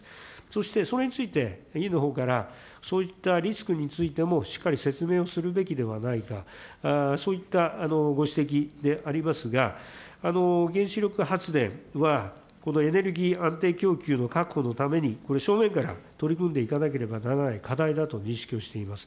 そして、それについて、委員のほうからそういったリスクについてもしっかり説明をするべきではないか、そういったご指摘でありますが、原子力発電は、このエネルギー安定供給の確保のために、これ、正面から取り組んでいかなければならない課題だと認識をしています。